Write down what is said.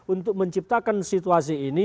untuk menciptakan situasi ini